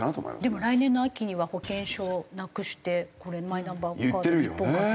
でも来年の秋には保険証をなくしてマイナンバーカード一本化でね。